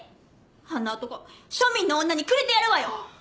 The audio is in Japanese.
あんな男庶民の女にくれてやるわよ。